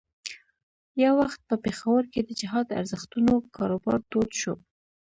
یو وخت په پېښور کې د جهاد ارزښتونو کاروبار تود شو.